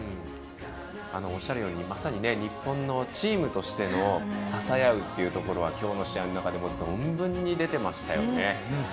おっしゃるようにまさに日本のチームとしての支え合うっていうところはきょうの試合の中でも存分に出ていましたよね。